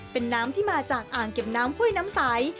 เป็นน้ำที่มาจากอ่างเก็บน้ำห้วยน้ำใส